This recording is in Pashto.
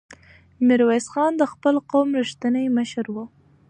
میرویس خان د خپل قوم رښتینی مشر و.